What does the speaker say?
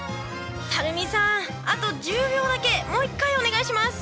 垂水さんあと１０秒だけもう一回お願いします！